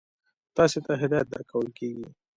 تاسې ته هدایت درکول کیږي.